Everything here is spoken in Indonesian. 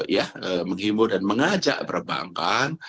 ya menghimbau dan mengajak perbankan